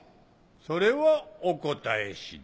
それはお答え次第。